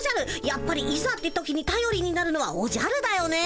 やっぱりいざって時にたよりになるのはおじゃるだよね。